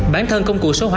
bán thân công cụ số hệ thống